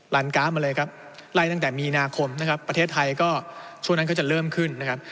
ันกราฟมาเลยครับไล่ตั้งแต่มีนาคมนะครับประเทศไทยก็ช่วงนั้นก็จะเริ่มขึ้นนะครับ